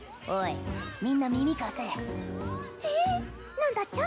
何だっちゃ？